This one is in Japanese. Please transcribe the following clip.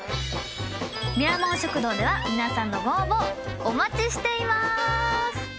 ミラモン食堂では皆さんのご応募お待ちしています！